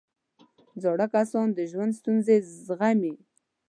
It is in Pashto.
زاړه کسان د ژوند ستونزې زغمي